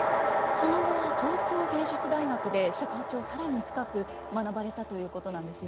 その後は東京藝術大学で尺八を更に深く学ばれたということなんですよね。